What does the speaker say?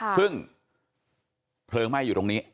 ซึ่งเพลิงไหม้อยู่ตรงนี้